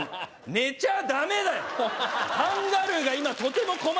寝ちゃダメだ！